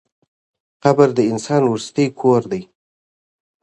قبر د انسان وروستی کور دی.